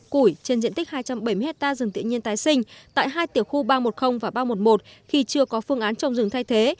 củi trên diện tích hai trăm bảy mươi hectare rừng tự nhiên tái sinh tại hai tiểu khu ba trăm một mươi và ba trăm một mươi một khi chưa có phương án trồng rừng thay thế